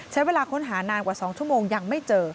ใช้เวลาค้นหานานกว่า๒ชั่วโมงยังไม่เจอ